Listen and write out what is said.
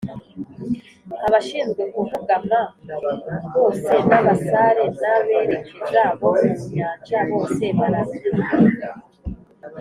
Abashinzwe kuvugama bose n abasare n aberekeza bo mu nyanja bose bararohamye